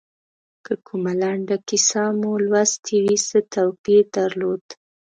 که کومه لنډه کیسه مو لوستي وي څه توپیر درلود.